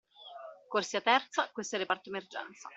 Corsia terza, questo è il reparto emergenza.